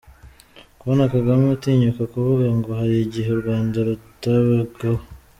Kubona Kagame atinyuka kuvuga ngo hari igihe u Rwanda rutabagaho ?